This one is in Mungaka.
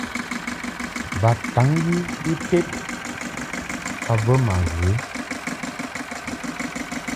Bataŋgwi ited ka bə ma ghə.